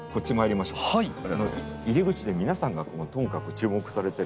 入り口で皆さんがとにかく注目されてるので。